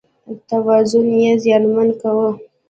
توازن یې زیانمن کاوه.